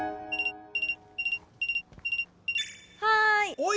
はい。